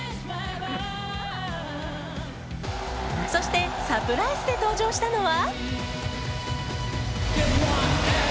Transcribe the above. そしてサプライズで登場したのは。